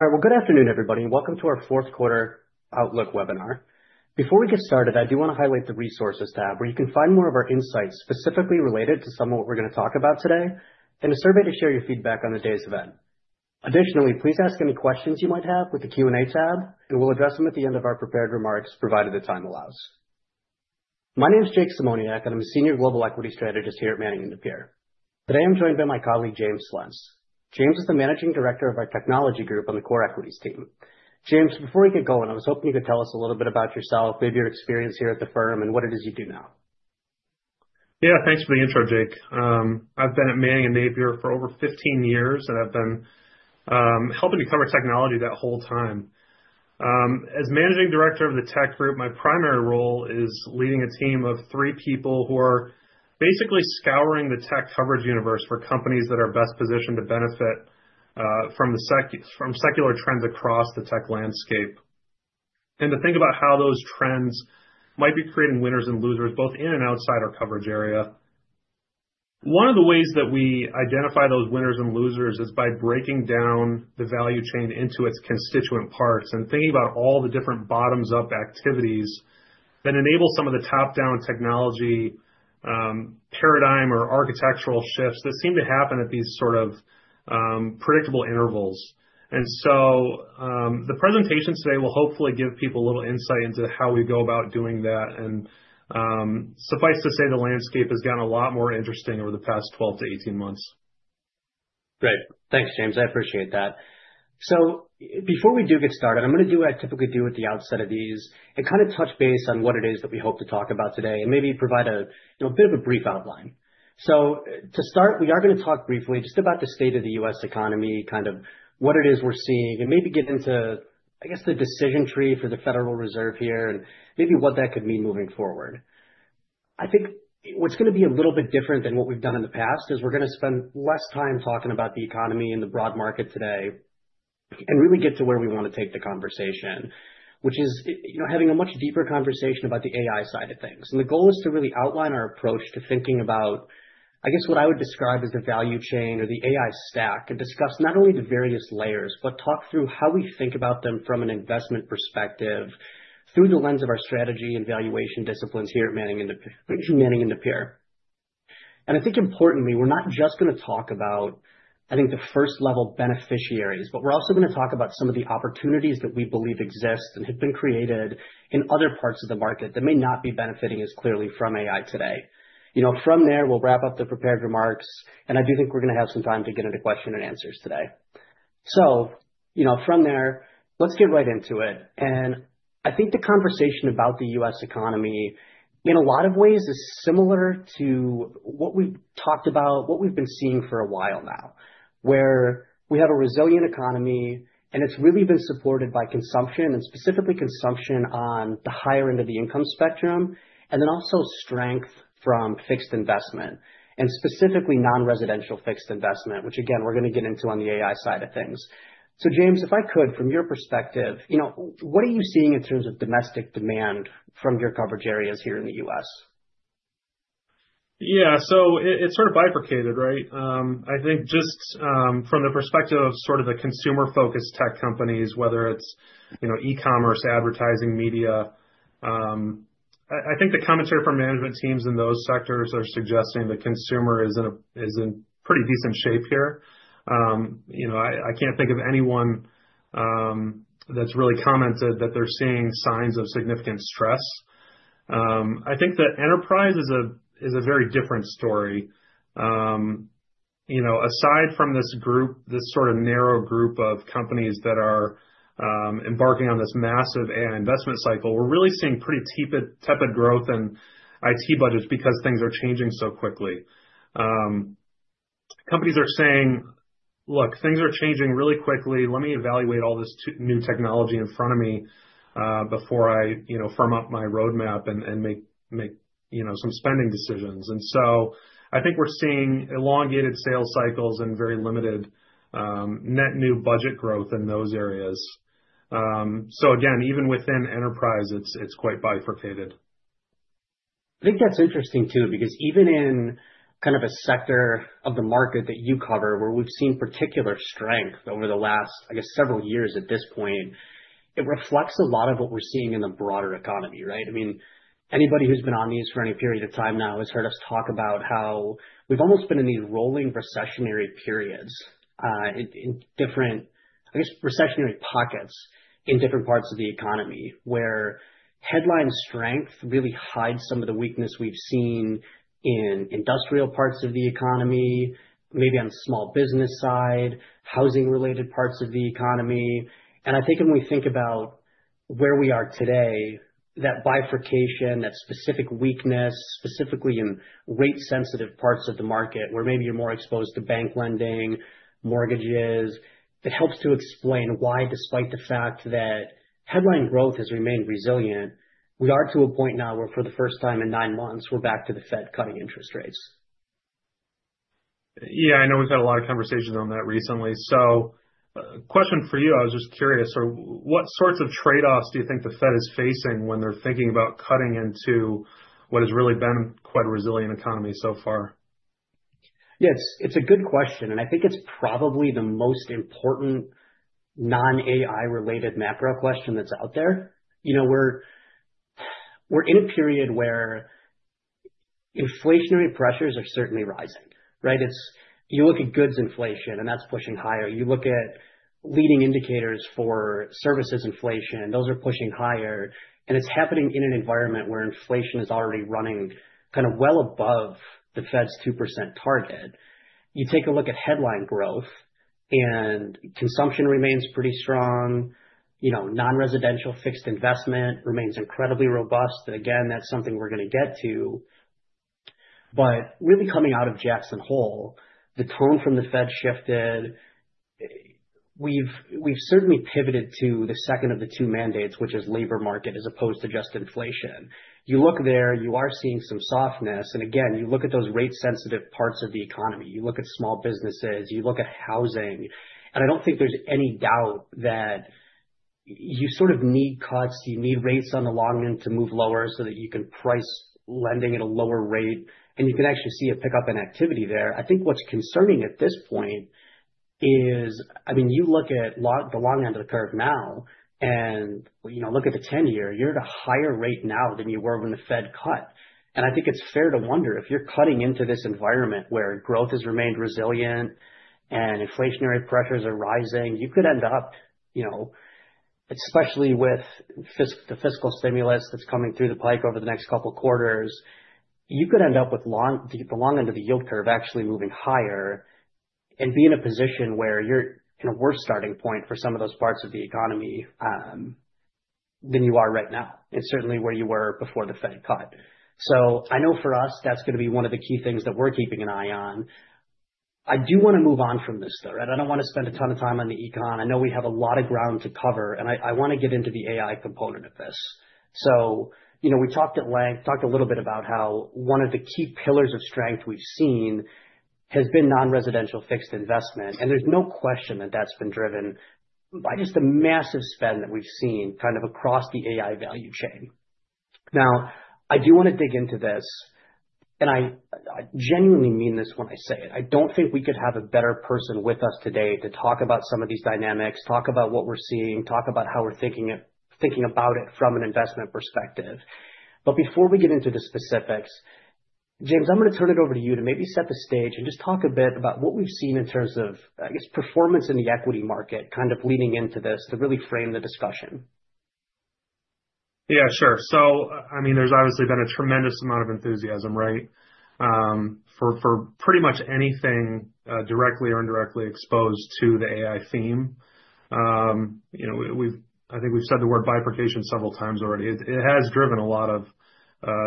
Well, good afternoon, everybody, and welcome to our Fourth Quarter Outlook Webinar. Before we get started, I do want to highlight the Resources tab, where you can find more of our insights specifically related to some of what we're going to talk about today, and a survey to share your feedback on the day's event. Additionally, please ask any questions you might have with the Q&A tab, and we'll address them at the end of our prepared remarks, provided the time allows. My name is Jake Symoniak, and I'm a Senior Global Equity Strategist here at Manning & Napier. Today, I'm joined by my colleague, James Slentz. James is the Managing Director of our Technology group on the Core Equities team. James, before we get going, I was hoping you could tell us a little bit about yourself, maybe your experience here at the firm, and what it is you do now. Yeah, thanks for the intro, Jake. I've been at Manning & Napier for over 15 years, and I've been helping to cover technology that whole time. As Managing Director of the tech group, my primary role is leading a team of three people who are basically scouring the tech coverage universe for companies that are best positioned to benefit from secular trends across the tech landscape, and to think about how those trends might be creating winners and losers both in and outside our coverage area. One of the ways that we identify those winners and losers is by breaking down the value chain into its constituent parts and thinking about all the different bottom-up activities that enable some of the top-down technology paradigm or architectural shifts that seem to happen at these sort of predictable intervals. And so the presentations today will hopefully give people a little insight into how we go about doing that. And suffice to say, the landscape has gotten a lot more interesting over the past 12-18 months. Great. Thanks, James. I appreciate that. So before we do get started, I'm going to do what I typically do at the outset of these and kind of touch base on what it is that we hope to talk about today and maybe provide a bit of a brief outline. So to start, we are going to talk briefly just about the state of the U.S. economy, kind of what it is we're seeing, and maybe get into, I guess, the decision tree for the Federal Reserve here and maybe what that could mean moving forward. I think what's going to be a little bit different than what we've done in the past is we're going to spend less time talking about the economy and the broad market today and really get to where we want to take the conversation, which is having a much deeper conversation about the AI side of things, and the goal is to really outline our approach to thinking about, I guess, what I would describe as the value chain or the AI stack and discuss not only the various layers, but talk through how we think about them from an investment perspective through the lens of our strategy and valuation disciplines here at Manning & Napier. I think, importantly, we're not just going to talk about, I think, the first-level beneficiaries, but we're also going to talk about some of the opportunities that we believe exist and have been created in other parts of the market that may not be benefiting as clearly from AI today. From there, we'll wrap up the prepared remarks, and I do think we're going to have some time to get into questions and answers today. From there, let's get right into it. And I think the conversation about the U.S. economy, in a lot of ways, is similar to what we've talked about, what we've been seeing for a while now, where we have a resilient economy, and it's really been supported by consumption and specifically consumption on the higher end of the income spectrum, and then also strength from fixed investment, and specifically non-residential fixed investment, which, again, we're going to get into on the AI side of things. So James, if I could, from your perspective, what are you seeing in terms of domestic demand from your coverage areas here in the U.S.? Yeah, so it's sort of bifurcated, right? I think just from the perspective of sort of the consumer-focused tech companies, whether it's e-commerce, advertising, media, I think the commentary from management teams in those sectors are suggesting the consumer is in pretty decent shape here. I can't think of anyone that's really commented that they're seeing signs of significant stress. I think the enterprise is a very different story. Aside from this group, this sort of narrow group of companies that are embarking on this massive AI investment cycle, we're really seeing pretty tepid growth in IT budgets because things are changing so quickly. Companies are saying, "Look, things are changing really quickly. Let me evaluate all this new technology in front of me before I firm up my roadmap and make some spending decisions," and so I think we're seeing elongated sales cycles and very limited net new budget growth in those areas, so again, even within enterprise, it's quite bifurcated. I think that's interesting, too, because even in kind of a sector of the market that you cover where we've seen particular strength over the last, I guess, several years at this point, it reflects a lot of what we're seeing in the broader economy, right? I mean, anybody who's been on these for any period of time now has heard us talk about how we've almost been in these rolling recessionary periods in different, I guess, recessionary pockets in different parts of the economy where headline strength really hides some of the weakness we've seen in industrial parts of the economy, maybe on the small business side, housing-related parts of the economy. I think when we think about where we are today, that bifurcation, that specific weakness, specifically in rate-sensitive parts of the market where maybe you're more exposed to bank lending, mortgages, it helps to explain why, despite the fact that headline growth has remained resilient, we are to a point now where, for the first time in nine months, we're back to the Fed cutting interest rates. Yeah, I know we've had a lot of conversations on that recently. So question for you, I was just curious, what sorts of trade-offs do you think the Fed is facing when they're thinking about cutting into what has really been quite a resilient economy so far? Yeah, it's a good question. And I think it's probably the most important non-AI-related macro question that's out there. We're in a period where inflationary pressures are certainly rising, right? You look at goods inflation, and that's pushing higher. You look at leading indicators for services inflation, those are pushing higher. And it's happening in an environment where inflation is already running kind of well above the Fed's 2% target. You take a look at headline growth, and consumption remains pretty strong. Non-residential fixed investment remains incredibly robust. Again, that's something we're going to get to. But really coming out of Jackson Hole, the tone from the Fed shifted. We've certainly pivoted to the second of the two mandates, which is labor market as opposed to just inflation. You look there, you are seeing some softness. And again, you look at those rate-sensitive parts of the economy. You look at small businesses. You look at housing. And I don't think there's any doubt that you sort of need cuts. You need rates on the long end to move lower so that you can price lending at a lower rate. And you can actually see a pickup in activity there. I think what's concerning at this point is, I mean, you look at the long end of the curve now, and look at the 10-year. You're at a higher rate now than you were when the Fed cut. And I think it's fair to wonder, if you're cutting into this environment where growth has remained resilient and inflationary pressures are rising, you could end up, especially with the fiscal stimulus that's coming down the pike over the next couple of quarters, you could end up with the long end of the yield curve actually moving higher and be in a position where you're in a worse starting point for some of those parts of the economy than you are right now, and certainly where you were before the Fed cut. So I know for us, that's going to be one of the key things that we're keeping an eye on. I do want to move on from this, though, right? I don't want to spend a ton of time on the econ. I know we have a lot of ground to cover, and I want to get into the AI component of this. We talked at length, talked a little bit about how one of the key pillars of strength we've seen has been non-residential fixed investment. There's no question that that's been driven by just the massive spend that we've seen kind of across the AI value chain. Now, I do want to dig into this, and I genuinely mean this when I say it. I don't think we could have a better person with us today to talk about some of these dynamics, talk about what we're seeing, talk about how we're thinking about it from an investment perspective. But before we get into the specifics, James, I'm going to turn it over to you to maybe set the stage and just talk a bit about what we've seen in terms of, I guess, performance in the equity market kind of leading into this to really frame the discussion. Yeah, sure. So I mean, there's obviously been a tremendous amount of enthusiasm, right, for pretty much anything directly or indirectly exposed to the AI theme. I think we've said the word bifurcation several times already. It has driven a lot of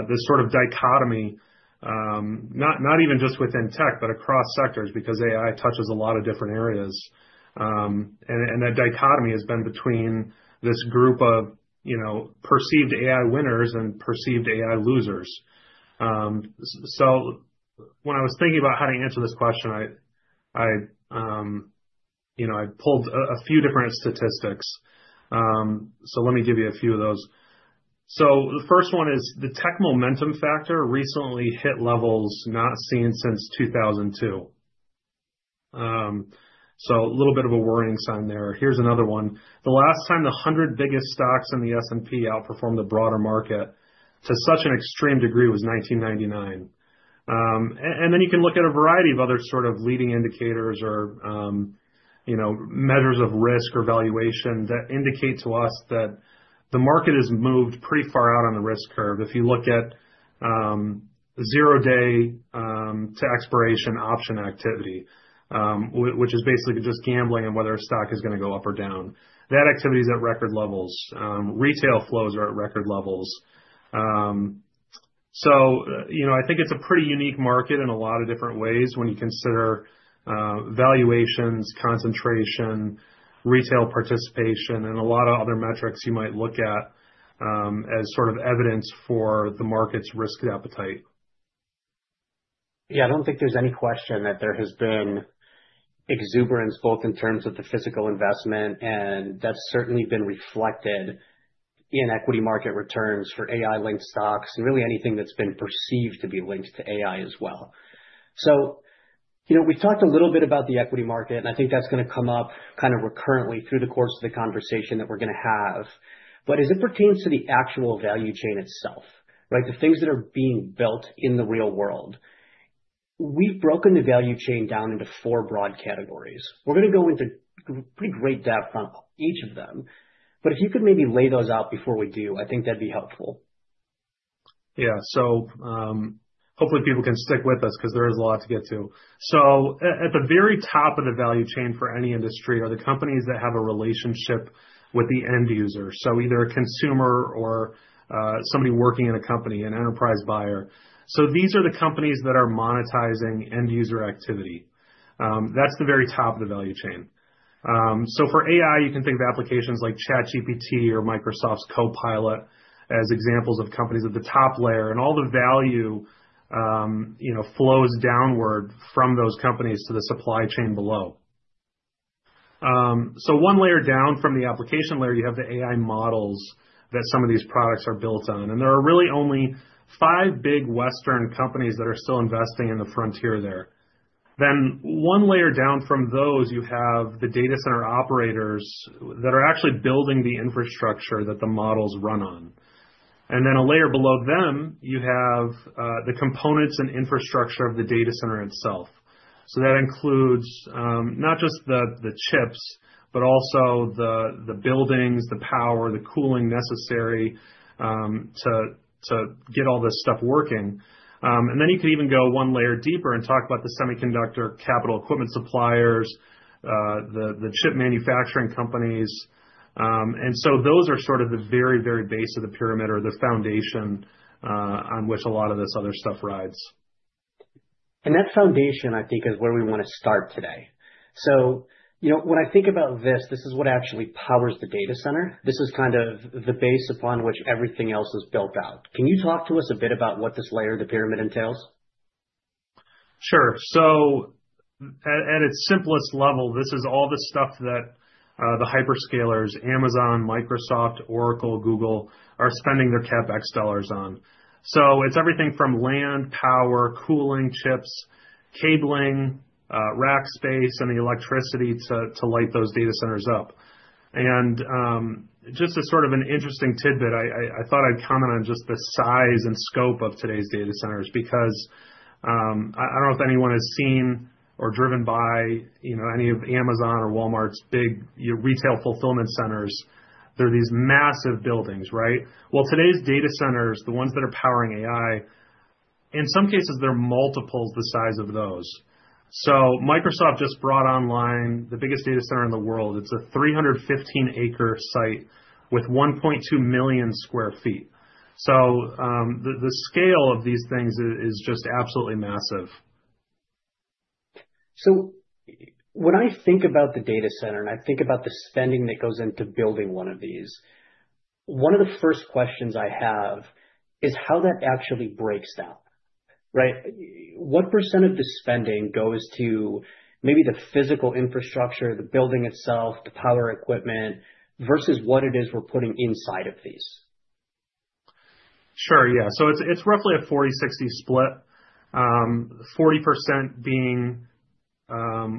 this sort of dichotomy, not even just within tech, but across sectors because AI touches a lot of different areas. And that dichotomy has been between this group of perceived AI winners and perceived AI losers. So when I was thinking about how to answer this question, I pulled a few different statistics. So let me give you a few of those. So the first one is the tech momentum factor recently hit levels not seen since 2002. So a little bit of a warning sign there. Here's another one. The last time the 100 biggest stocks in the S&P outperformed the broader market to such an extreme degree was 1999, and then you can look at a variety of other sort of leading indicators or measures of risk or valuation that indicate to us that the market has moved pretty far out on the risk curve. If you look at zero-day to expiration option activity, which is basically just gambling on whether a stock is going to go up or down, that activity is at record levels. Retail flows are at record levels, so I think it's a pretty unique market in a lot of different ways when you consider valuations, concentration, retail participation, and a lot of other metrics you might look at as sort of evidence for the market's risk appetite. Yeah, I don't think there's any question that there has been exuberance both in terms of the physical investment, and that's certainly been reflected in equity market returns for AI-linked stocks and really anything that's been perceived to be linked to AI as well. So we've talked a little bit about the equity market, and I think that's going to come up kind of recurrently through the course of the conversation that we're going to have. But as it pertains to the actual value chain itself, right, the things that are being built in the real world, we've broken the value chain down into four broad categories. We're going to go into pretty great depth on each of them. But if you could maybe lay those out before we do, I think that'd be helpful. Yeah. So hopefully, people can stick with us because there is a lot to get to. So at the very top of the value chain for any industry are the companies that have a relationship with the end user, so either a consumer or somebody working in a company, an enterprise buyer. So these are the companies that are monetizing end user activity. That's the very top of the value chain. So for AI, you can think of applications like ChatGPT or Microsoft's Copilot as examples of companies at the top layer, and all the value flows downward from those companies to the supply chain below. So one layer down from the application layer, you have the AI models that some of these products are built on. And there are really only five big Western companies that are still investing in the frontier there. Then one layer down from those, you have the data center operators that are actually building the infrastructure that the models run on. And then a layer below them, you have the components and infrastructure of the data center itself. So that includes not just the chips, but also the buildings, the power, the cooling necessary to get all this stuff working. And then you could even go one layer deeper and talk about the semiconductor capital equipment suppliers, the chip manufacturing companies. And so those are sort of the very, very base of the pyramid or the foundation on which a lot of this other stuff rides. And that foundation, I think, is where we want to start today. So when I think about this, this is what actually powers the data center. This is kind of the base upon which everything else is built out. Can you talk to us a bit about what this layer of the pyramid entails? Sure. So at its simplest level, this is all the stuff that the hyperscalers, Amazon, Microsoft, Oracle, Google are spending their CapEx dollars on. So it's everything from land, power, cooling, chips, cabling, rack space, and the electricity to light those data centers up. And just as sort of an interesting tidbit, I thought I'd comment on just the size and scope of today's data centers because I don't know if anyone has seen or driven by any of Amazon or Walmart's big retail fulfillment centers. They're these massive buildings, right? Well, today's data centers, the ones that are powering AI, in some cases, they're multiples the size of those. So Microsoft just brought online the biggest data center in the world. It's a 315-acre site with 1.2 million sq ft. So the scale of these things is just absolutely massive. So when I think about the data center and I think about the spending that goes into building one of these, one of the first questions I have is how that actually breaks down, right? What percent of the spending goes to maybe the physical infrastructure, the building itself, the power equipment versus what it is we're putting inside of these? Sure. Yeah, so it's roughly a 40/60 split, 40% being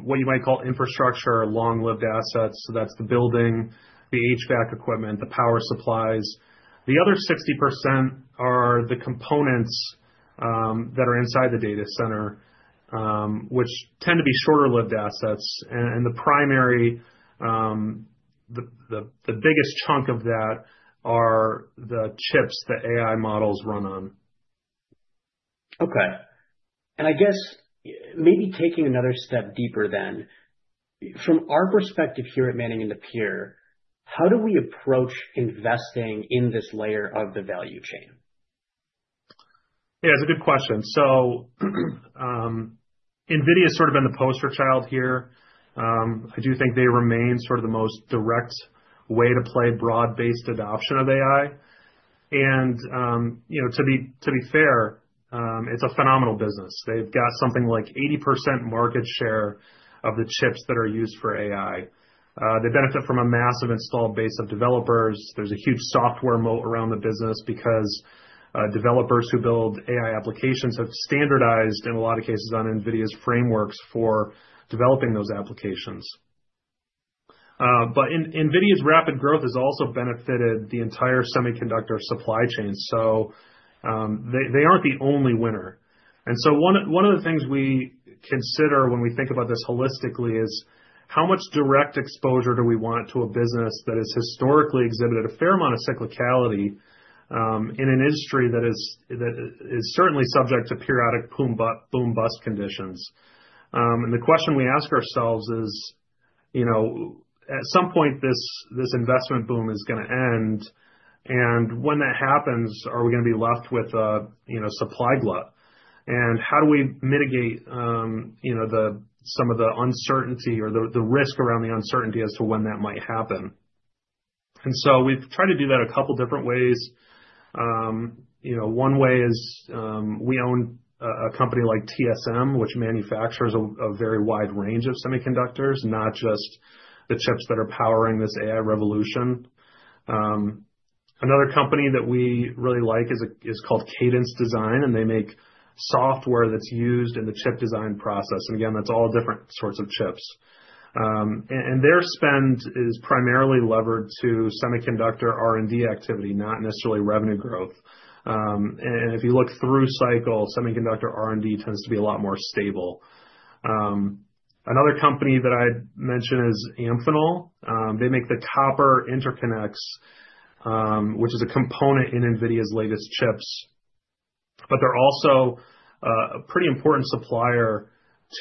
what you might call infrastructure or long-lived assets, so that's the building, the HVAC equipment, the power supplies. The other 60% are the components that are inside the data center, which tend to be shorter-lived assets, and the biggest chunk of that are the chips that AI models run on. Okay. And I guess maybe taking another step deeper then, from our perspective here at Manning & Napier, how do we approach investing in this layer of the value chain? Yeah, it's a good question. So NVIDIA has sort of been the poster child here. I do think they remain sort of the most direct way to play broad-based adoption of AI. And to be fair, it's a phenomenal business. They've got something like 80% market share of the chips that are used for AI. They benefit from a massive installed base of developers. There's a huge software moat around the business because developers who build AI applications have standardized, in a lot of cases, on NVIDIA's frameworks for developing those applications. But NVIDIA's rapid growth has also benefited the entire semiconductor supply chain. So they aren't the only winner. And so one of the things we consider when we think about this holistically is how much direct exposure do we want to a business that has historically exhibited a fair amount of cyclicality in an industry that is certainly subject to periodic boom-bust conditions. And the question we ask ourselves is, at some point, this investment boom is going to end. And when that happens, are we going to be left with a supply glut? And how do we mitigate some of the uncertainty or the risk around the uncertainty as to when that might happen? And so we've tried to do that a couple of different ways. One way is we own a company like TSM, which manufactures a very wide range of semiconductors, not just the chips that are powering this AI revolution. Another company that we really like is called Cadence Design, and they make software that's used in the chip design process. And again, that's all different sorts of chips. And their spend is primarily levered to semiconductor R&D activity, not necessarily revenue growth. And if you look through cycle, semiconductor R&D tends to be a lot more stable. Another company that I'd mention is Amphenol. They make the copper interconnects, which is a component in NVIDIA's latest chips. But they're also a pretty important supplier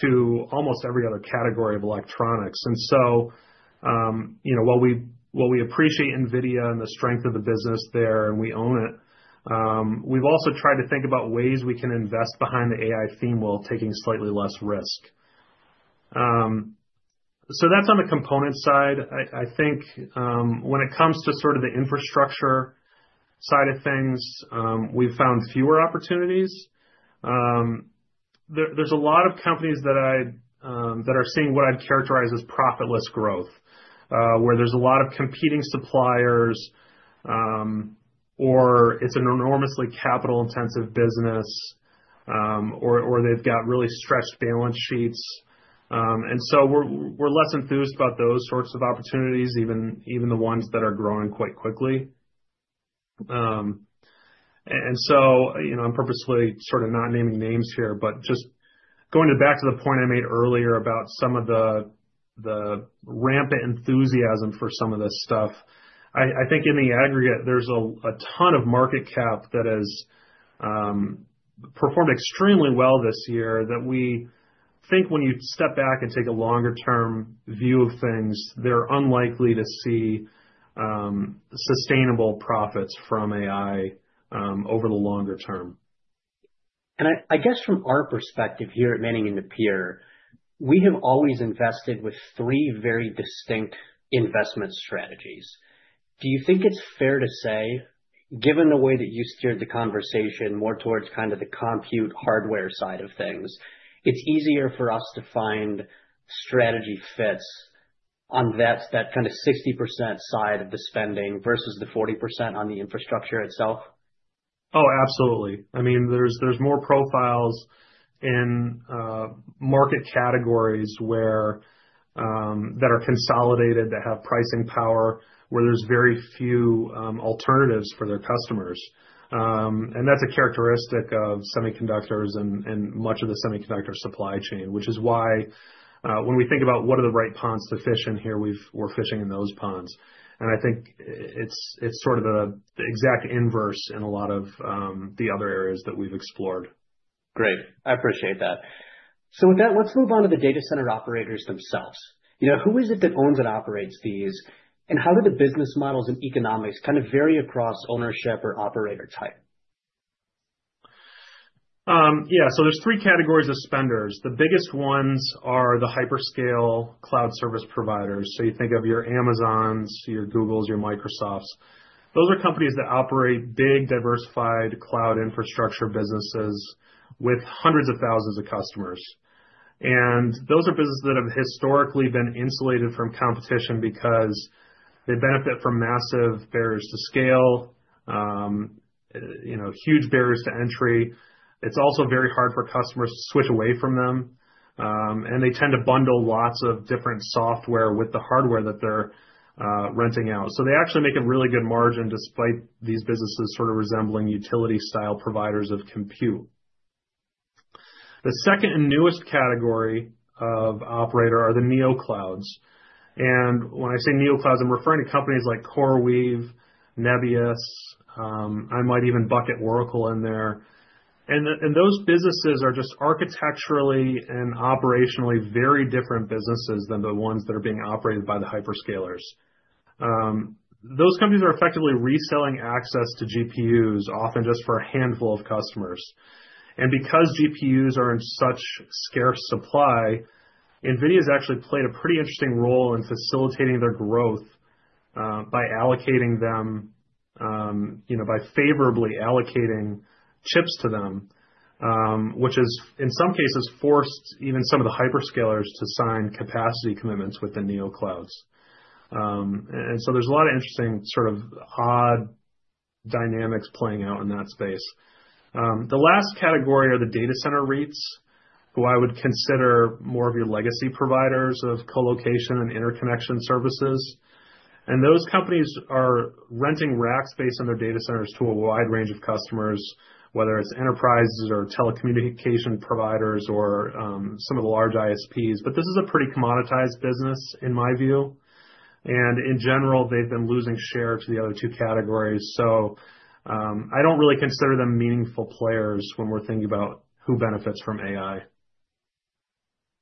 to almost every other category of electronics. And so while we appreciate NVIDIA and the strength of the business there, and we own it, we've also tried to think about ways we can invest behind the AI theme while taking slightly less risk. So that's on the component side. I think when it comes to sort of the infrastructure side of things, we've found fewer opportunities. There's a lot of companies that are seeing what I'd characterize as profitless growth, where there's a lot of competing suppliers, or it's an enormously capital-intensive business, or they've got really stretched balance sheets. And so we're less enthused about those sorts of opportunities, even the ones that are growing quite quickly. And so I'm purposely sort of not naming names here, but just going back to the point I made earlier about some of the rampant enthusiasm for some of this stuff, I think in the aggregate, there's a ton of market cap that has performed extremely well this year that we think when you step back and take a longer-term view of things, they're unlikely to see sustainable profits from AI over the longer term. I guess from our perspective here at Manning & Napier, we have always invested with three very distinct investment strategies. Do you think it's fair to say, given the way that you steered the conversation more towards kind of the compute hardware side of things, it's easier for us to find strategy fits on that kind of 60% side of the spending versus the 40% on the infrastructure itself? Oh, absolutely. I mean, there's more profiles in market categories that are consolidated, that have pricing power, where there's very few alternatives for their customers, and that's a characteristic of semiconductors and much of the semiconductor supply chain, which is why when we think about what are the right ponds to fish in here, we're fishing in those ponds, and I think it's sort of the exact inverse in a lot of the other areas that we've explored. Great. I appreciate that. So with that, let's move on to the data center operators themselves. Who is it that owns and operates these, and how do the business models and economics kind of vary across ownership or operator type? Yeah. So there's three categories of spenders. The biggest ones are the hyperscale cloud service providers. So you think of your Amazons, your Googles, your Microsofts. Those are companies that operate big, diversified cloud infrastructure businesses with hundreds of thousands of customers. And those are businesses that have historically been insulated from competition because they benefit from massive barriers to scale, huge barriers to entry. It's also very hard for customers to switch away from them. And they tend to bundle lots of different software with the hardware that they're renting out. So they actually make a really good margin despite these businesses sort of resembling utility-style providers of compute. The second and newest category of operator are the neoclouds. And when I say neoclouds, I'm referring to companies like CoreWeave, Nebius. I might even bucket Oracle in there. And those businesses are just architecturally and operationally very different businesses than the ones that are being operated by the hyperscalers. Those companies are effectively reselling access to GPUs, often just for a handful of customers. And because GPUs are in such scarce supply, NVIDIA has actually played a pretty interesting role in facilitating their growth by allocating them, by favorably allocating chips to them, which is, in some cases, forced even some of the hyperscalers to sign capacity commitments with the neoclouds. And so there's a lot of interesting sort of odd dynamics playing out in that space. The last category are the data center REITs, who I would consider more of your legacy providers of colocation and interconnection services. And those companies are renting racks based on their data centers to a wide range of customers, whether it's enterprises or telecommunication providers or some of the large ISPs. But this is a pretty commoditized business, in my view. And in general, they've been losing share to the other two categories. So I don't really consider them meaningful players when we're thinking about who benefits from AI.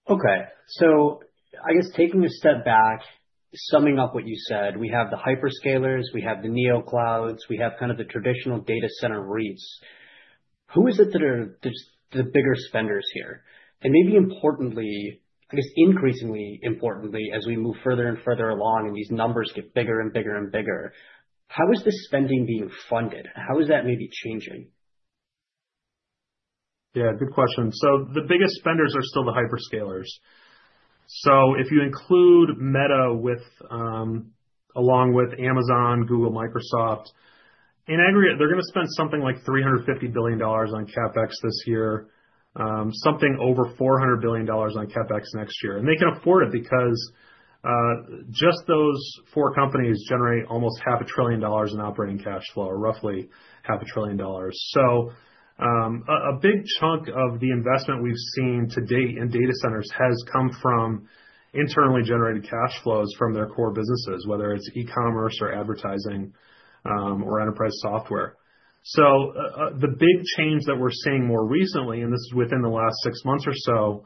Okay. So I guess taking a step back, summing up what you said, we have the hyperscalers, we have the neoclouds, we have kind of the traditional data center REITs. Who is it that are the bigger spenders here? And maybe importantly, I guess increasingly importantly, as we move further and further along and these numbers get bigger and bigger and bigger, how is the spending being funded? How is that maybe changing? Yeah, good question, so the biggest spenders are still the hyperscalers, so if you include Meta along with Amazon, Google, Microsoft, in aggregate, they're going to spend something like $350 billion on CapEx this year, something over $400 billion on CapEx next year, and they can afford it because just those four companies generate almost $500 billion in operating cash flow, roughly $500 billion, so a big chunk of the investment we've seen to date in data centers has come from internally generated cash flows from their core businesses, whether it's e-commerce or advertising or enterprise software, so the big change that we're seeing more recently, and this is within the last six months or so,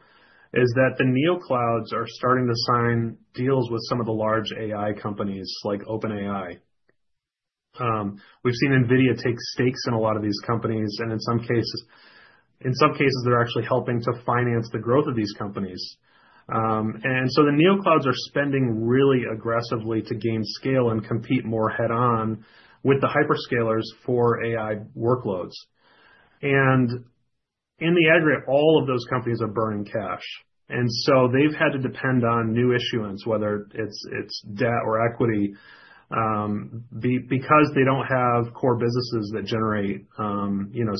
is that the neoclouds are starting to sign deals with some of the large AI companies like OpenAI. We've seen NVIDIA take stakes in a lot of these companies. And in some cases, they're actually helping to finance the growth of these companies. And so the neoclouds are spending really aggressively to gain scale and compete more head-on with the hyperscalers for AI workloads. And in the aggregate, all of those companies are burning cash. And so they've had to depend on new issuance, whether it's debt or equity, because they don't have core businesses that generate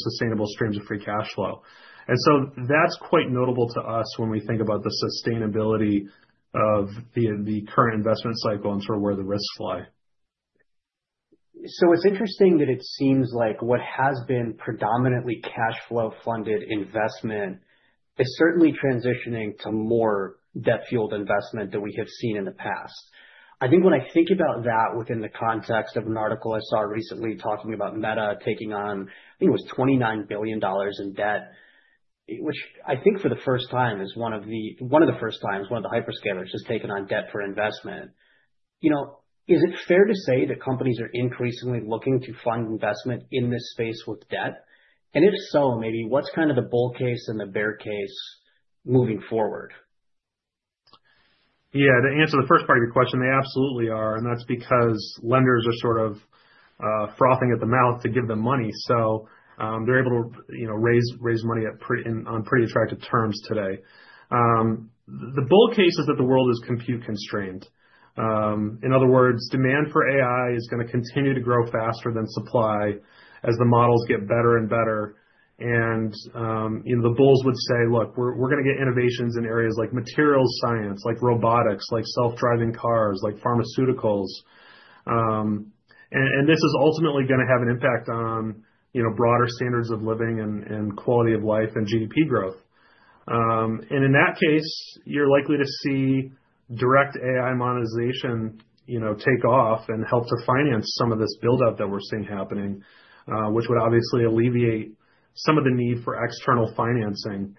sustainable streams of free cash flow. And so that's quite notable to us when we think about the sustainability of the current investment cycle and sort of where the risks lie. It's interesting that it seems like what has been predominantly cash flow funded investment is certainly transitioning to more debt-fueled investment than we have seen in the past. I think when I think about that within the context of an article I saw recently talking about Meta taking on, I think it was $29 billion in debt, which I think for the first time is one of the first times one of the hyperscalers has taken on debt for investment. Is it fair to say that companies are increasingly looking to fund investment in this space with debt? And if so, maybe what's kind of the bull case and the bear case moving forward? Yeah, to answer the first part of your question, they absolutely are. And that's because lenders are sort of frothing at the mouth to give them money. So they're able to raise money on pretty attractive terms today. The bull case is that the world is compute constrained. In other words, demand for AI is going to continue to grow faster than supply as the models get better and better. And the bulls would say, "Look, we're going to get innovations in areas like materials science, like robotics, like self-driving cars, like pharmaceuticals." And this is ultimately going to have an impact on broader standards of living and quality of life and GDP growth. And in that case, you're likely to see direct AI monetization take off and help to finance some of this buildup that we're seeing happening, which would obviously alleviate some of the need for external financing.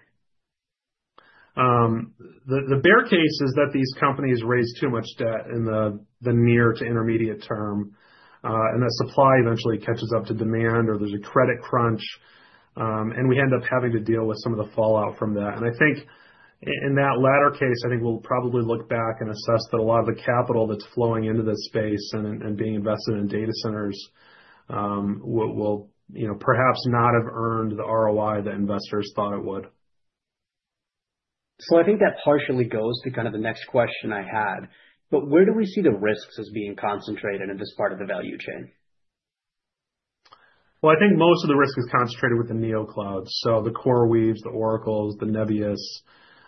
The bear case is that these companies raise too much debt in the near to intermediate term, and the supply eventually catches up to demand, or there's a credit crunch, and we end up having to deal with some of the fallout from that, and I think in that latter case, I think we'll probably look back and assess that a lot of the capital that's flowing into this space and being invested in data centers will perhaps not have earned the ROI that investors thought it would. So I think that partially goes to kind of the next question I had. But where do we see the risks as being concentrated in this part of the value chain? Well, I think most of the risk is concentrated with the neoclouds, so the CoreWeaves, the Oracles, the Nebius,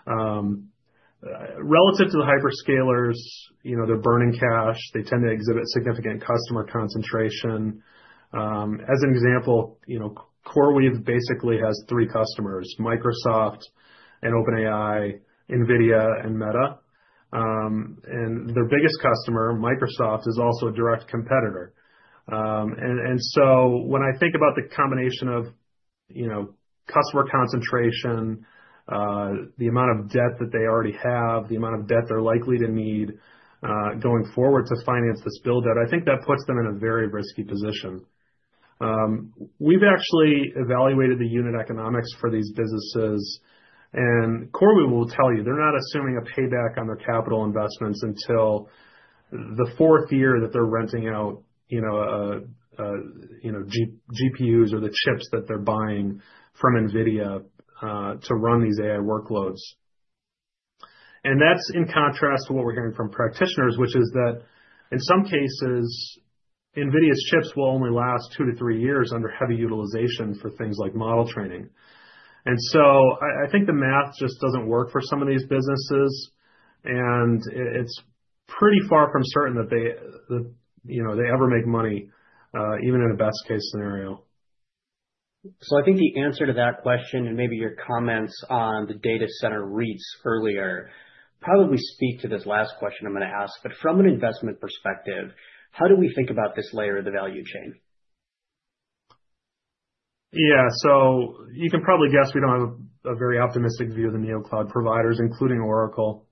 relative to the hyperscalers, they're burning cash, they tend to exhibit significant customer concentration. As an example, CoreWeave basically has three customers: Microsoft, and OpenAI, NVIDIA, and Meta, and their biggest customer, Microsoft, is also a direct competitor, and so when I think about the combination of customer concentration, the amount of debt that they already have, the amount of debt they're likely to need going forward to finance this buildup, I think that puts them in a very risky position. We've actually evaluated the unit economics for these businesses, and CoreWeave will tell you, they're not assuming a payback on their capital investments until the fourth year that they're renting out GPUs or the chips that they're buying from NVIDIA to run these AI workloads. And that's in contrast to what we're hearing from practitioners, which is that in some cases, NVIDIA's chips will only last two-to-three years under heavy utilization for things like model training. And so I think the math just doesn't work for some of these businesses. And it's pretty far from certain that they ever make money, even in a best-case scenario. So I think the answer to that question and maybe your comments on the data center REITs earlier probably speak to this last question I'm going to ask. But from an investment perspective, how do we think about this layer of the value chain? Yeah, so you can probably guess we don't have a very optimistic view of the neocloud providers, including Oracle.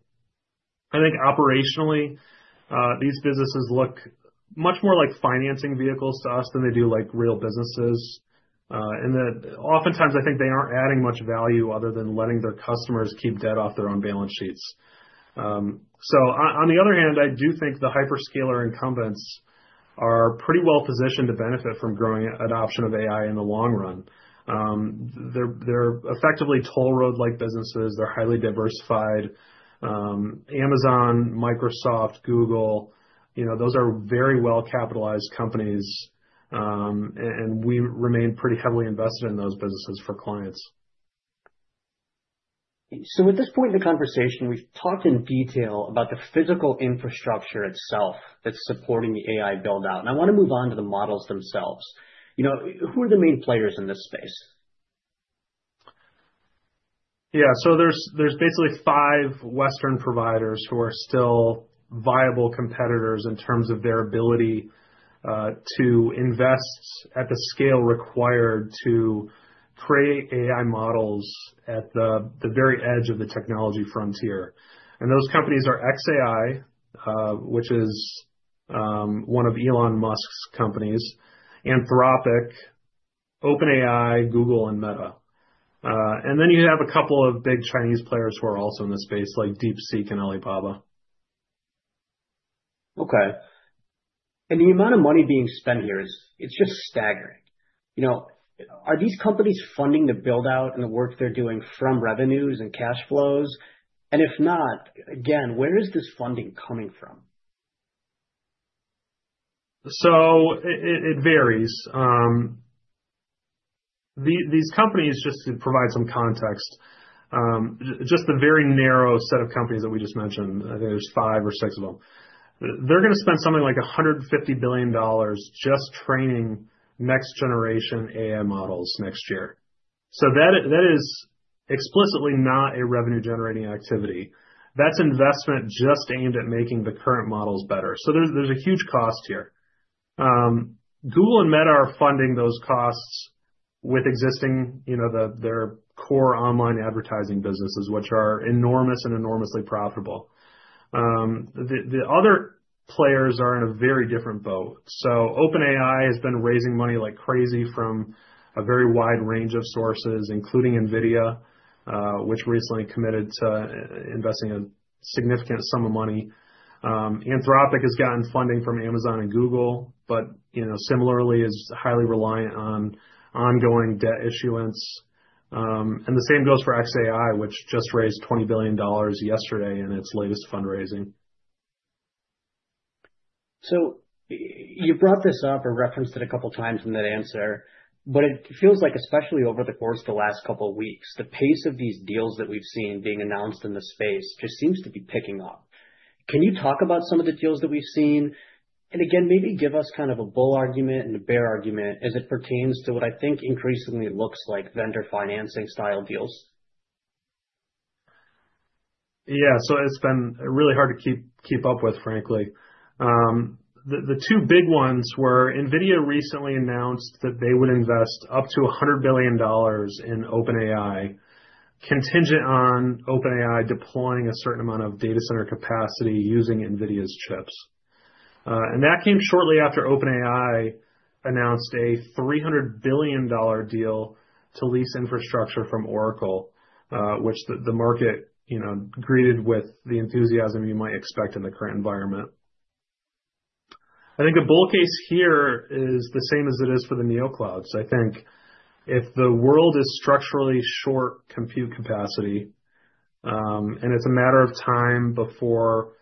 I think operationally, these businesses look much more like financing vehicles to us than they do like real businesses, and oftentimes, I think they aren't adding much value other than letting their customers keep debt off their own balance sheets, so on the other hand, I do think the hyperscaler incumbents are pretty well positioned to benefit from growing adoption of AI in the long run. They're effectively toll road-like businesses. They're highly diversified. Amazon, Microsoft, Google, those are very well-capitalized companies, and we remain pretty heavily invested in those businesses for clients. So at this point in the conversation, we've talked in detail about the physical infrastructure itself that's supporting the AI buildout. And I want to move on to the models themselves. Who are the main players in this space? Yeah. So there's basically five Western providers who are still viable competitors in terms of their ability to invest at the scale required to create AI models at the very edge of the technology frontier. And those companies are xAI, which is one of Elon Musk's companies, Anthropic, OpenAI, Google, and Meta. And then you have a couple of big Chinese players who are also in the space, like DeepSeek and Alibaba. Okay. And the amount of money being spent here, it's just staggering. Are these companies funding the buildout and the work they're doing from revenues and cash flows? And if not, again, where is this funding coming from? So it varies. These companies, just to provide some context, just the very narrow set of companies that we just mentioned, I think there's five or six of them. They're going to spend something like $150 billion just training next-generation AI models next year. So that is explicitly not a revenue-generating activity. That's investment just aimed at making the current models better. So there's a huge cost here. Google and Meta are funding those costs with their existing core online advertising businesses, which are enormous and enormously profitable. The other players are in a very different boat. So OpenAI has been raising money like crazy from a very wide range of sources, including NVIDIA, which recently committed to investing a significant sum of money. Anthropic has gotten funding from Amazon and Google, but similarly is highly reliant on ongoing debt issuance. And the same goes for xAI, which just raised $20 billion yesterday in its latest fundraising. So you brought this up or referenced it a couple of times in that answer, but it feels like, especially over the course of the last couple of weeks, the pace of these deals that we've seen being announced in the space just seems to be picking up. Can you talk about some of the deals that we've seen? And again, maybe give us kind of a bull argument and a bear argument as it pertains to what I think increasingly looks like vendor financing style deals. Yeah. So it's been really hard to keep up with, frankly. The two big ones were NVIDIA recently announced that they would invest up to $100 billion in OpenAI, contingent on OpenAI deploying a certain amount of data center capacity using NVIDIA's chips. And that came shortly after OpenAI announced a $300 billion deal to lease infrastructure from Oracle, which the market greeted with the enthusiasm you might expect in the current environment. I think a bull case here is the same as it is for the neoclouds. I think if the world is structurally short compute capacity, and it's a matter of time before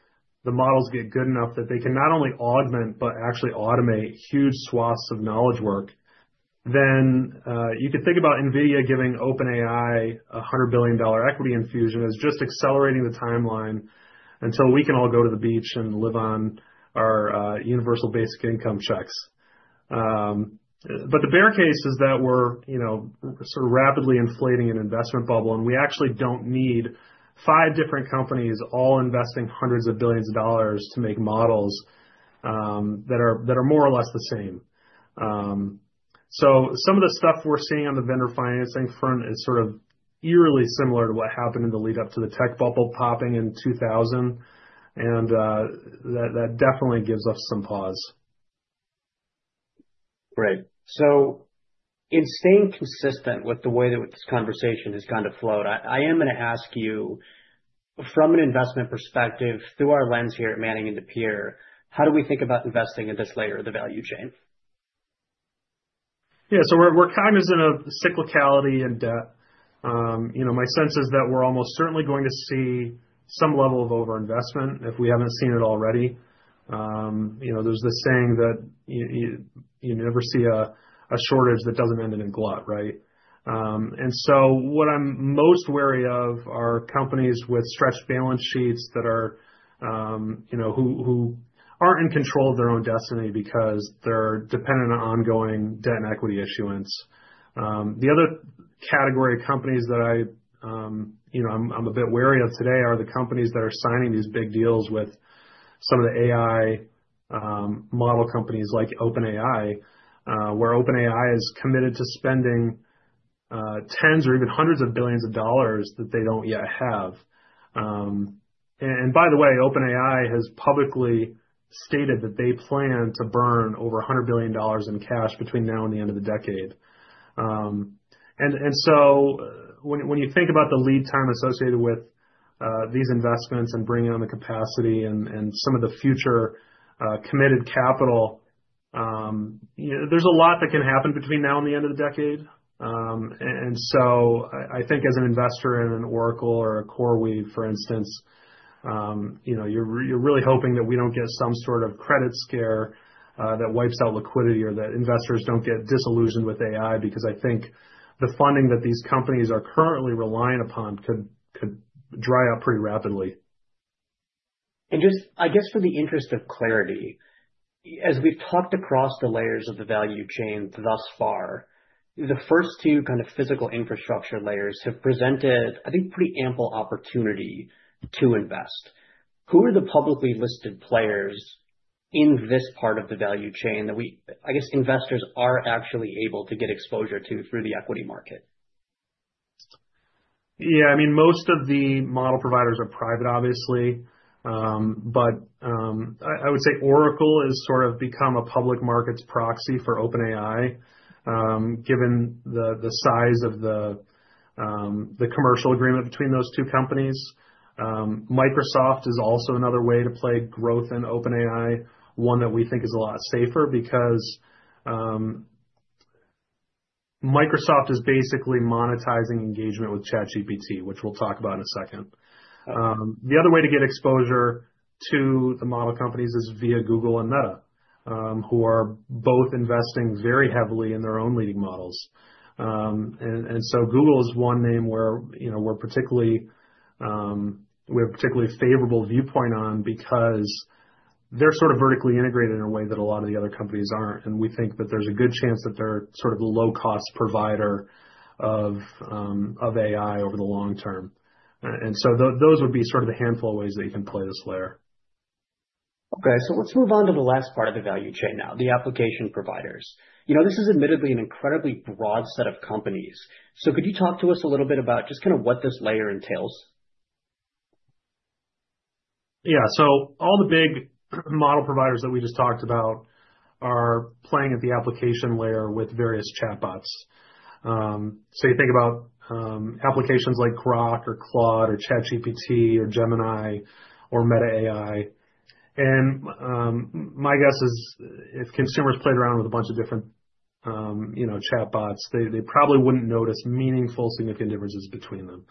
the models get good enough that they can not only augment, but actually automate huge swaths of knowledge work, then you could think about NVIDIA giving OpenAI a $100 billion equity infusion as just accelerating the timeline until we can all go to the beach and live on our universal basic income checks, but the bear case is that we're sort of rapidly inflating an investment bubble, and we actually don't need five different companies all investing hundreds of billions of dollars to make models that are more or less the same. So some of the stuff we're seeing on the vendor financing front is sort of eerily similar to what happened in the lead-up to the tech bubble popping in 2000, and that definitely gives us some pause. Right. So in staying consistent with the way that this conversation has kind of flowed, I am going to ask you, from an investment perspective through our lens here at Manning & Napier, how do we think about investing in this layer of the value chain? Yeah. So we're kind of in a cyclicality in debt. My sense is that we're almost certainly going to see some level of overinvestment if we haven't seen it already. There's this saying that you never see a shortage that doesn't end in a glut, right? And so what I'm most wary of are companies with stretched balance sheets that are who aren't in control of their own destiny because they're dependent on ongoing debt and equity issuance. The other category of companies that I'm a bit wary of today are the companies that are signing these big deals with some of the AI model companies like OpenAI, where OpenAI is committed to spending tens or even hundreds of billions of dollars that they don't yet have. And by the way, OpenAI has publicly stated that they plan to burn over $100 billion in cash between now and the end of the decade. And so when you think about the lead time associated with these investments and bringing on the capacity and some of the future committed capital, there's a lot that can happen between now and the end of the decade. And so I think as an investor in an Oracle or a CoreWeave, for instance, you're really hoping that we don't get some sort of credit scare that wipes out liquidity or that investors don't get disillusioned with AI because I think the funding that these companies are currently relying upon could dry up pretty rapidly. And just, I guess, for the interest of clarity, as we've talked across the layers of the value chain thus far, the first two kind of physical infrastructure layers have presented, I think, pretty ample opportunity to invest. Who are the publicly listed players in this part of the value chain that we, I guess, investors are actually able to get exposure to through the equity market? Yeah. I mean, most of the model providers are private, obviously. But I would say Oracle has sort of become a public markets proxy for OpenAI given the size of the commercial agreement between those two companies. Microsoft is also another way to play growth in OpenAI, one that we think is a lot safer because Microsoft is basically monetizing engagement with ChatGPT, which we'll talk about in a second. The other way to get exposure to the model companies is via Google and Meta, who are both investing very heavily in their own leading models. And so Google is one name where we have a particularly favorable viewpoint on because they're sort of vertically integrated in a way that a lot of the other companies aren't. And we think that there's a good chance that they're sort of a low-cost provider of AI over the long term. And so those would be sort of the handful of ways that you can play this layer. Okay. So let's move on to the last part of the value chain now, the application providers. This is admittedly an incredibly broad set of companies. So could you talk to us a little bit about just kind of what this layer entails? Yeah, so all the big model providers that we just talked about are playing at the application layer with various chatbots. So you think about applications like Grok, Claude, ChatGPT, Gemini, or Meta AI. And my guess is if consumers played around with a bunch of different chatbots, they probably wouldn't notice meaningful significant differences between them.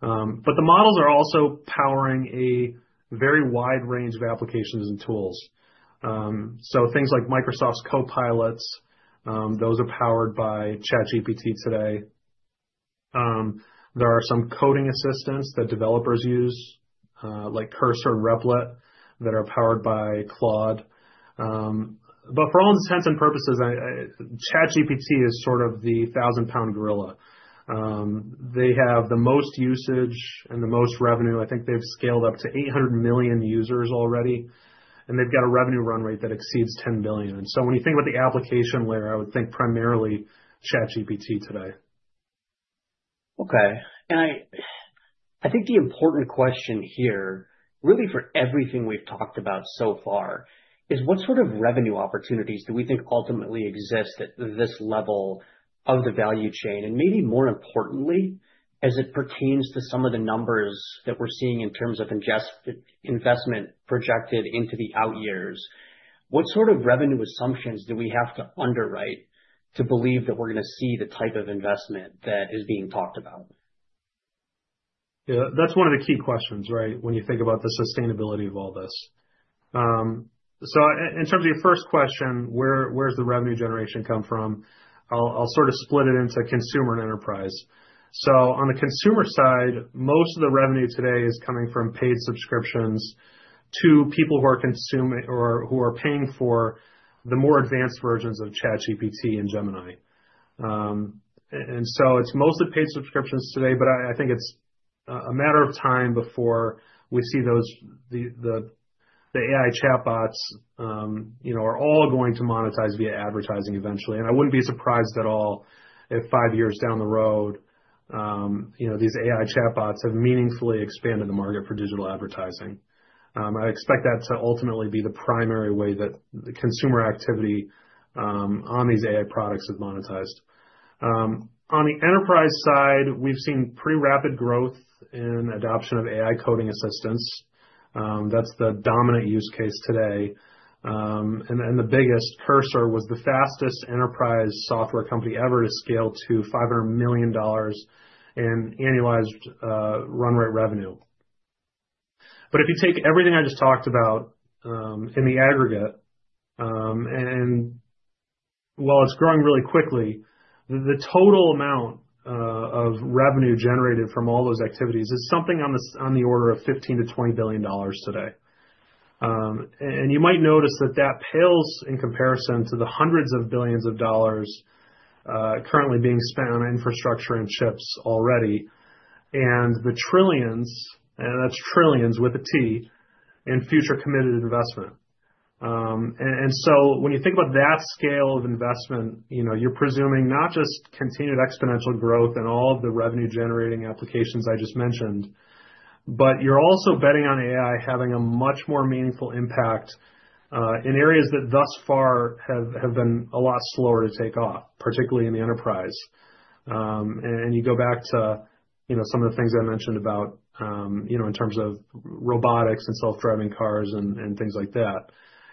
But the models are also powering a very wide range of applications and tools. So things like Microsoft's Copilots, those are powered by ChatGPT today. There are some coding assistants that developers use, like Cursor and Replit, that are powered by Claude. But for all intents and purposes, ChatGPT is sort of the thousand-pound gorilla. They have the most usage and the most revenue. I think they've scaled up to 800 million users already. And they've got a revenue run rate that exceeds $10 billion. And so when you think about the application layer, I would think primarily ChatGPT today. Okay. And I think the important question here, really for everything we've talked about so far, is what sort of revenue opportunities do we think ultimately exist at this level of the value chain? And maybe more importantly, as it pertains to some of the numbers that we're seeing in terms of investment projected into the out years, what sort of revenue assumptions do we have to underwrite to believe that we're going to see the type of investment that is being talked about? Yeah. That's one of the key questions, right, when you think about the sustainability of all this. So in terms of your first question, where does the revenue generation come from? I'll sort of split it into consumer and enterprise. So on the consumer side, most of the revenue today is coming from paid subscriptions to people who are paying for the more advanced versions of ChatGPT and Gemini. And so it's mostly paid subscriptions today, but I think it's a matter of time before we see the AI chatbots are all going to monetize via advertising eventually. And I wouldn't be surprised at all if five years down the road, these AI chatbots have meaningfully expanded the market for digital advertising. I expect that to ultimately be the primary way that the consumer activity on these AI products is monetized. On the enterprise side, we've seen pretty rapid growth in adoption of AI coding assistants. That's the dominant use case today, and the biggest. Cursor was the fastest enterprise software company ever to scale to $500 million in annualized run rate revenue. But if you take everything I just talked about in the aggregate, and while it's growing really quickly, the total amount of revenue generated from all those activities is something on the order of $15-$20 billion today, and you might notice that that pales in comparison to the hundreds of billions of dollars currently being spent on infrastructure and chips already and the trillions, and that's trillions with a T, in future committed investment. And so when you think about that scale of investment, you're presuming not just continued exponential growth in all of the revenue-generating applications I just mentioned, but you're also betting on AI having a much more meaningful impact in areas that thus far have been a lot slower to take off, particularly in the enterprise. And you go back to some of the things I mentioned about in terms of robotics and self-driving cars and things like that.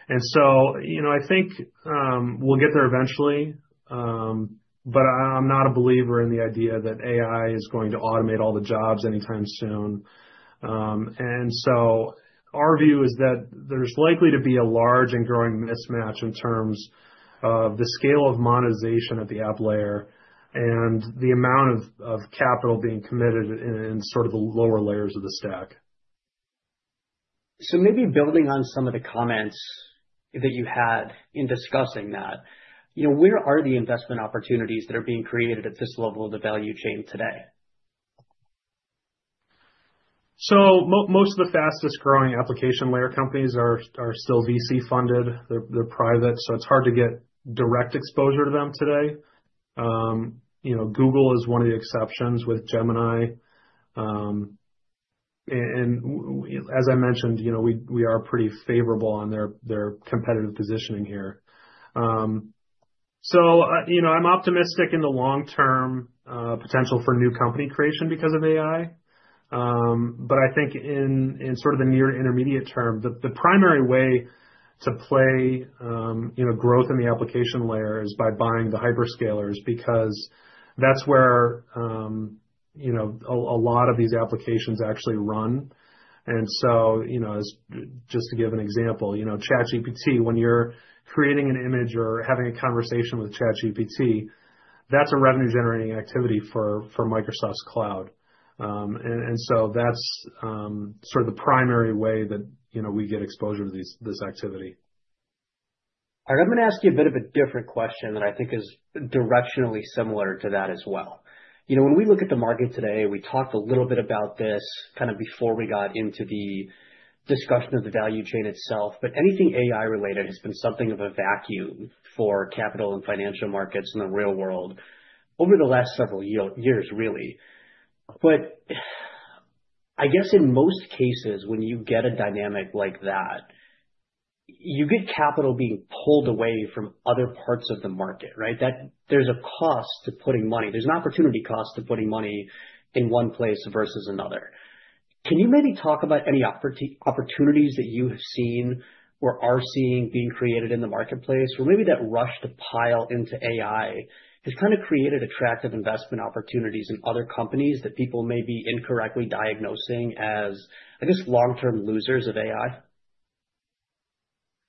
And so I think we'll get there eventually, but I'm not a believer in the idea that AI is going to automate all the jobs anytime soon. And so our view is that there's likely to be a large and growing mismatch in terms of the scale of monetization at the app layer and the amount of capital being committed in sort of the lower layers of the stack. So maybe building on some of the comments that you had in discussing that, where are the investment opportunities that are being created at this level of the value chain today? So most of the fastest growing application layer companies are still VC-funded. They're private. So it's hard to get direct exposure to them today. Google is one of the exceptions with Gemini. And as I mentioned, we are pretty favorable on their competitive positioning here. So I'm optimistic in the long-term potential for new company creation because of AI. But I think in sort of the near-intermediate term, the primary way to play growth in the application layer is by buying the hyperscalers because that's where a lot of these applications actually run. And so just to give an example, ChatGPT, when you're creating an image or having a conversation with ChatGPT, that's a revenue-generating activity for Microsoft's Cloud. And so that's sort of the primary way that we get exposure to this activity. I'm going to ask you a bit of a different question that I think is directionally similar to that as well. When we look at the market today, we talked a little bit about this kind of before we got into the discussion of the value chain itself. But anything AI-related has been something of a vacuum for capital and financial markets in the real world over the last several years, really. But I guess in most cases, when you get a dynamic like that, you get capital being pulled away from other parts of the market, right? There's a cost to putting money. There's an opportunity cost to putting money in one place versus another. Can you maybe talk about any opportunities that you have seen or are seeing being created in the marketplace or maybe that rush to pile into AI has kind of created attractive investment opportunities in other companies that people may be incorrectly diagnosing as, I guess, long-term losers of AI?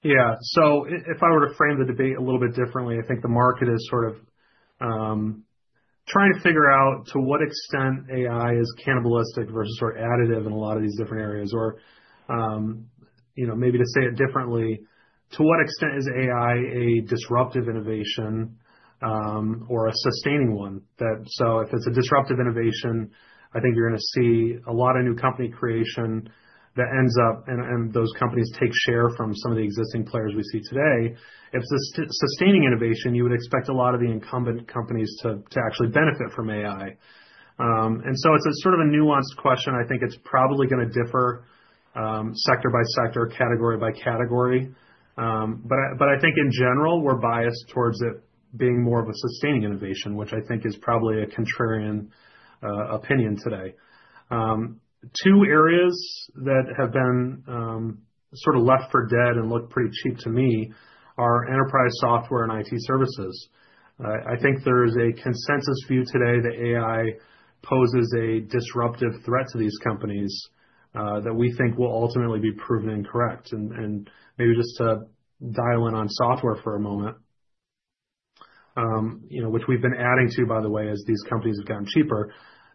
Yeah. So if I were to frame the debate a little bit differently, I think the market is sort of trying to figure out to what extent AI is cannibalistic versus sort of additive in a lot of these different areas. Or maybe to say it differently, to what extent is AI a disruptive innovation or a sustaining one? So if it's a disruptive innovation, I think you're going to see a lot of new company creation that ends up, and those companies take share from some of the existing players we see today. If it's a sustaining innovation, you would expect a lot of the incumbent companies to actually benefit from AI. And so it's sort of a nuanced question. I think it's probably going to differ sector by sector, category by category. But I think in general, we're biased towards it being more of a sustaining innovation, which I think is probably a contrarian opinion today. Two areas that have been sort of left for dead and look pretty cheap to me are enterprise software and IT services. I think there is a consensus view today that AI poses a disruptive threat to these companies that we think will ultimately be proven incorrect. And maybe just to dial in on software for a moment, which we've been adding to, by the way, as these companies have gotten cheaper,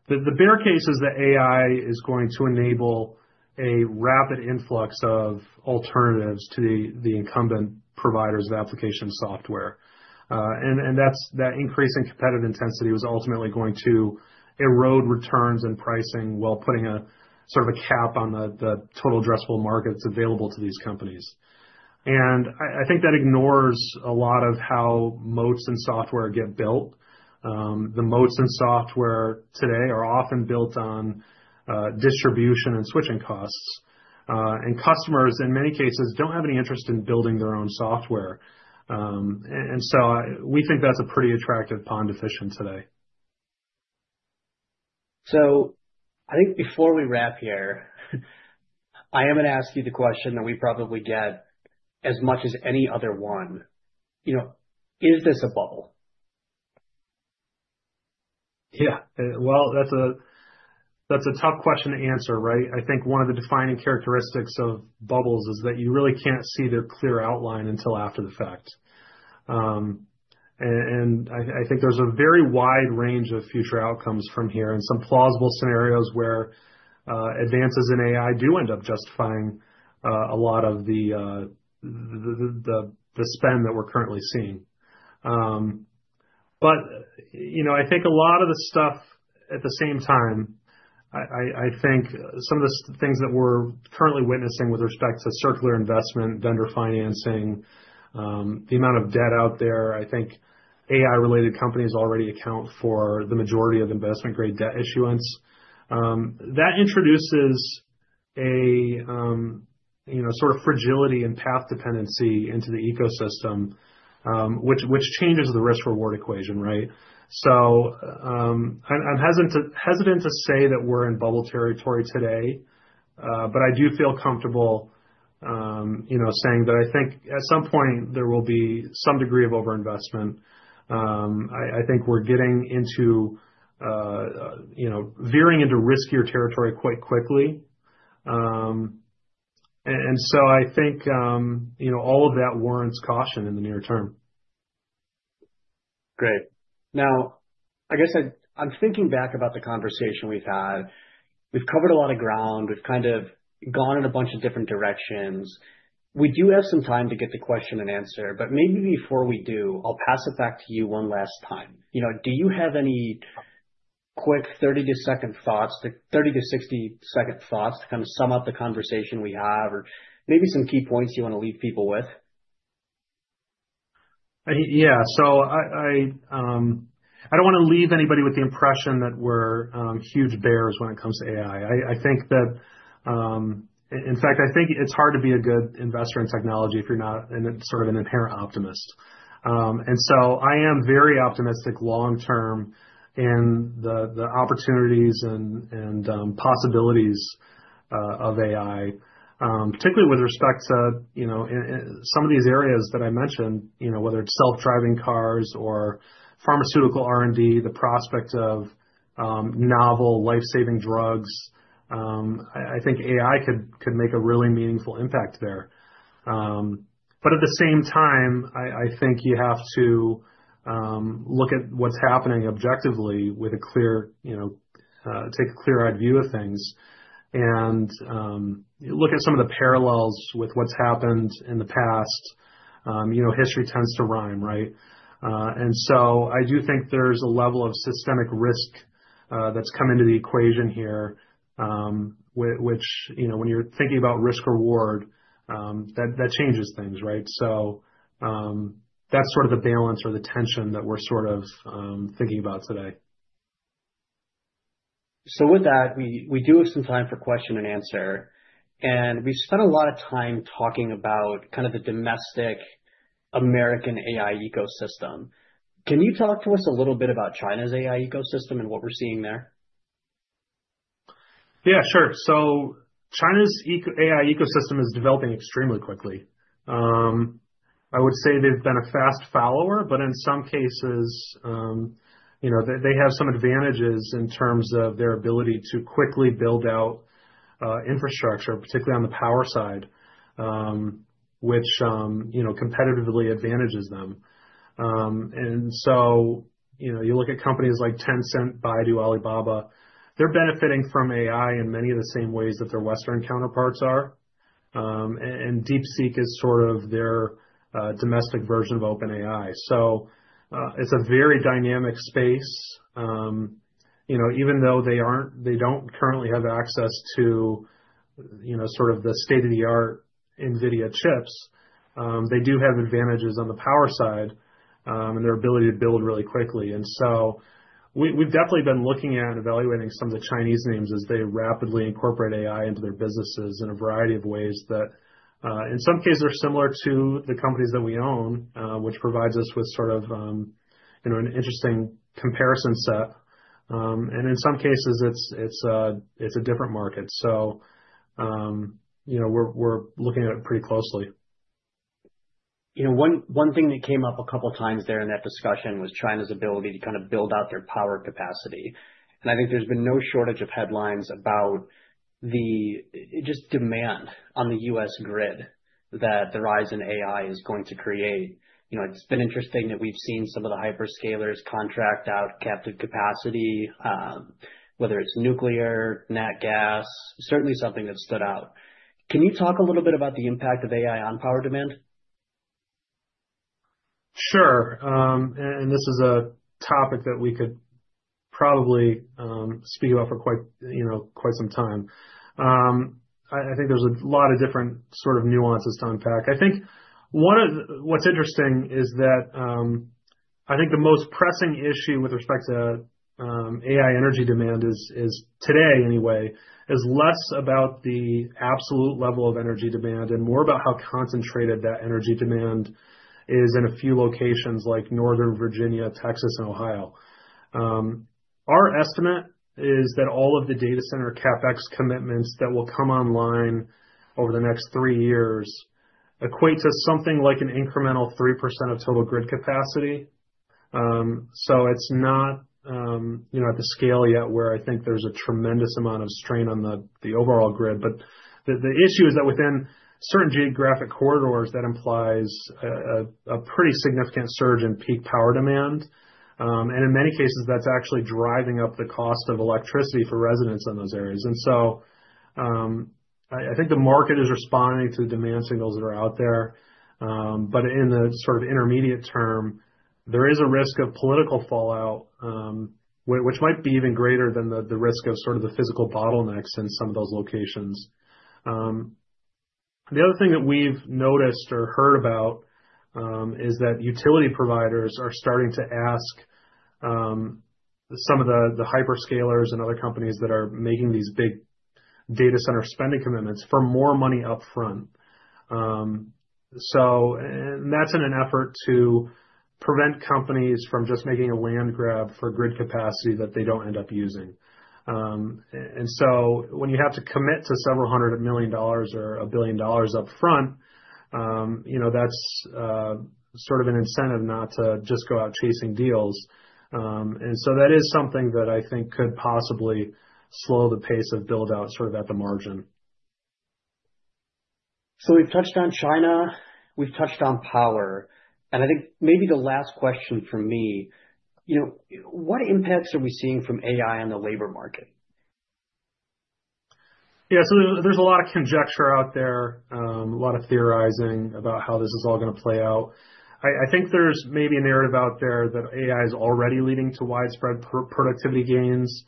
the bear case is that AI is going to enable a rapid influx of alternatives to the incumbent providers of application software. And that increase in competitive intensity was ultimately going to erode returns and pricing while putting a sort of a cap on the total addressable market that's available to these companies. And I think that ignores a lot of how moats in software get built. The moats in software today are often built on distribution and switching costs. And customers, in many cases, don't have any interest in building their own software. And so we think that's a pretty attractive pond of fishing today. So I think before we wrap here, I am going to ask you the question that we probably get as much as any other one. Is this a bubble? Yeah. Well, that's a tough question to answer, right? I think one of the defining characteristics of bubbles is that you really can't see their clear outline until after the fact. And I think there's a very wide range of future outcomes from here and some plausible scenarios where advances in AI do end up justifying a lot of the spend that we're currently seeing. But I think a lot of the stuff at the same time, I think some of the things that we're currently witnessing with respect to circular investment, vendor financing, the amount of debt out there, I think AI-related companies already account for the majority of investment-grade debt issuance. That introduces a sort of fragility and path dependency into the ecosystem, which changes the risk-reward equation, right? I'm hesitant to say that we're in bubble territory today, but I do feel comfortable saying that I think at some point there will be some degree of overinvestment. I think we're veering into riskier territory quite quickly. I think all of that warrants caution in the near term. Great. Now, I guess I'm thinking back about the conversation we've had. We've covered a lot of ground. We've kind of gone in a bunch of different directions. We do have some time to get the question and answer. But maybe before we do, I'll pass it back to you one last time. Do you have any quick 30-second thoughts, 30-60-second thoughts to kind of sum up the conversation we have or maybe some key points you want to leave people with? Yeah. So I don't want to leave anybody with the impression that we're huge bears when it comes to AI. In fact, I think it's hard to be a good investor in technology if you're not sort of an inherent optimist. And so I am very optimistic long-term in the opportunities and possibilities of AI, particularly with respect to some of these areas that I mentioned, whether it's self-driving cars or pharmaceutical R&D, the prospect of novel life-saving drugs. I think AI could make a really meaningful impact there. But at the same time, I think you have to look at what's happening objectively with a clear-eyed view of things and look at some of the parallels with what's happened in the past. History tends to rhyme, right? And so I do think there's a level of systemic risk that's come into the equation here, which when you're thinking about risk-reward, that changes things, right? So that's sort of the balance or the tension that we're sort of thinking about today. With that, we do have some time for question and answer. We spent a lot of time talking about kind of the domestic American AI ecosystem. Can you talk to us a little bit about China's AI ecosystem and what we're seeing there? Yeah, sure, so China's AI ecosystem is developing extremely quickly. I would say they've been a fast follower, but in some cases, they have some advantages in terms of their ability to quickly build out infrastructure, particularly on the power side, which competitively advantages them, and so you look at companies like Tencent, Baidu, Alibaba. They're benefiting from AI in many of the same ways that their Western counterparts are, and DeepSeek is sort of their domestic version of OpenAI, so it's a very dynamic space. Even though they don't currently have access to sort of the state-of-the-art NVIDIA chips, they do have advantages on the power side and their ability to build really quickly. And so we've definitely been looking at and evaluating some of the Chinese names as they rapidly incorporate AI into their businesses in a variety of ways that in some cases are similar to the companies that we own, which provides us with sort of an interesting comparison set. And in some cases, it's a different market. So we're looking at it pretty closely. One thing that came up a couple of times there in that discussion was China's ability to kind of build out their power capacity. And I think there's been no shortage of headlines about the just demand on the U.S. grid that the rise in AI is going to create. It's been interesting that we've seen some of the hyperscalers contract out captive capacity, whether it's nuclear, natural gas, certainly something that stood out. Can you talk a little bit about the impact of AI on power demand? Sure. And this is a topic that we could probably speak about for quite some time. I think there's a lot of different sort of nuances to unpack. I think one of what's interesting is that I think the most pressing issue with respect to AI energy demand is today, anyway, is less about the absolute level of energy demand and more about how concentrated that energy demand is in a few locations like Northern Virginia, Texas, and Ohio. Our estimate is that all of the data center CapEx commitments that will come online over the next three years equate to something like an incremental 3% of total grid capacity. So it's not at the scale yet where I think there's a tremendous amount of strain on the overall grid. But the issue is that within certain geographic corridors, that implies a pretty significant surge in peak power demand. And in many cases, that's actually driving up the cost of electricity for residents in those areas. And so I think the market is responding to the demand signals that are out there. But in the sort of intermediate term, there is a risk of political fallout, which might be even greater than the risk of sort of the physical bottlenecks in some of those locations. The other thing that we've noticed or heard about is that utility providers are starting to ask some of the hyperscalers and other companies that are making these big data center spending commitments for more money upfront. And that's in an effort to prevent companies from just making a land grab for grid capacity that they don't end up using. And so when you have to commit to several hundred million dollars or $1 billion upfront, that's sort of an incentive not to just go out chasing deals. And so that is something that I think could possibly slow the pace of build-out sort of at the margin. So we've touched on China. We've touched on power. And I think maybe the last question for me, what impacts are we seeing from AI on the labor market? Yeah, so there's a lot of conjecture out there, a lot of theorizing about how this is all going to play out. I think there's maybe a narrative out there that AI is already leading to widespread productivity gains,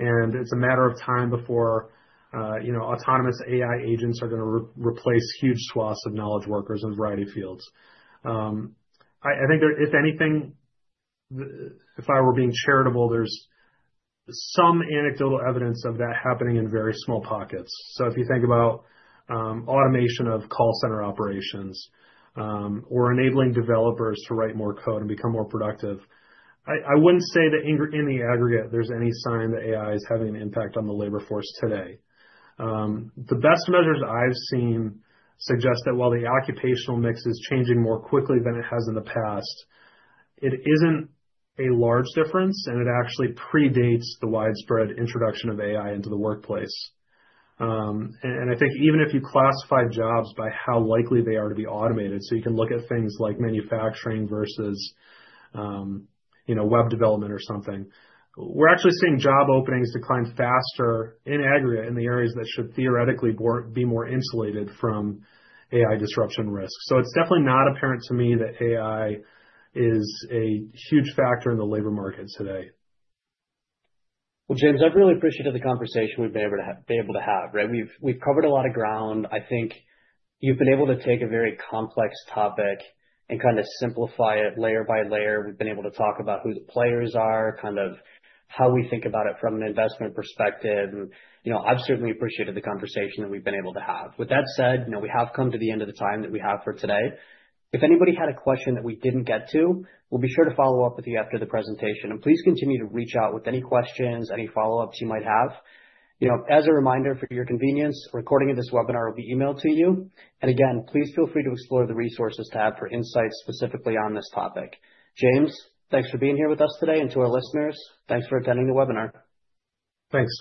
and it's a matter of time before autonomous AI agents are going to replace huge swaths of knowledge workers in a variety of fields. I think if anything, if I were being charitable, there's some anecdotal evidence of that happening in very small pockets, so if you think about automation of call center operations or enabling developers to write more code and become more productive, I wouldn't say that in the aggregate, there's any sign that AI is having an impact on the labor force today. The best measures I've seen suggest that while the occupational mix is changing more quickly than it has in the past, it isn't a large difference, and it actually predates the widespread introduction of AI into the workplace. And I think even if you classify jobs by how likely they are to be automated, so you can look at things like manufacturing versus web development or something, we're actually seeing job openings decline faster in aggregate in the areas that should theoretically be more insulated from AI disruption risk. So it's definitely not apparent to me that AI is a huge factor in the labor market today. Well, James, I've really appreciated the conversation we've been able to have, right? We've covered a lot of ground. I think you've been able to take a very complex topic and kind of simplify it layer by layer. We've been able to talk about who the players are, kind of how we think about it from an investment perspective. And I've certainly appreciated the conversation that we've been able to have. With that said, we have come to the end of the time that we have for today. If anybody had a question that we didn't get to, we'll be sure to follow up with you after the presentation. And please continue to reach out with any questions, any follow-ups you might have. As a reminder for your convenience, recording of this webinar will be emailed to you. And again, please feel free to explore the resources tab for insights specifically on this topic. James, thanks for being here with us today. And to our listeners, thanks for attending the webinar. Thanks.